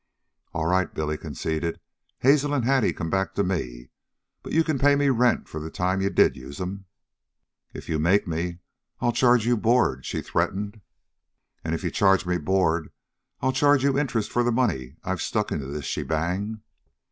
"All right," Billy conceded. "Hazel an' Hattie come back to me; but you can pay me rent for the time you did use 'em." "If you make me, I'll charge you board," she threatened. "An' if you charge me board, I'll charge you interest for the money I've stuck into this shebang."